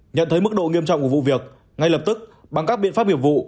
nhận thấy mức độ nghiêm trọng của vụ việc ngay lập tức bằng các biện pháp nghiệp vụ